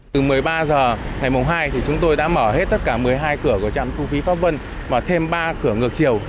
từ một mươi ba h ngày hai chúng tôi đã mở hết tất cả một mươi hai cửa của trạm thu phí pháp vân và thêm ba cửa ngược chiều